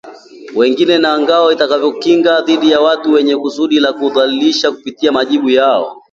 wengine na ngao itakayokukinga dhidi ya watu wenye kusudi la kukudhalilisha kupitia majibu yako